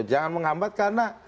jangan menghambat karena